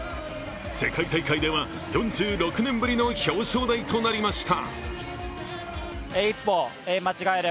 世界大会では４６年ぶりの表彰台となりました。